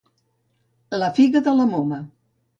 La figa de la moma.